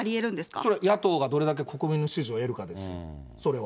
それは野党が国民の支持を得るかですよ、それは。